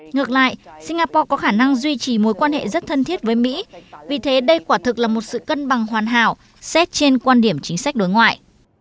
ngược lại singapore có khả năng duy trì mối quan hệ rất thân thiết với mỹ vì thế đây quả thực là một sự cân bằng hoàn hảo xét trên quan điểm chính sách đối ngoại